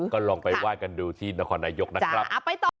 ก็ลองไปไหว้กันดูที่นครนายกนะครับ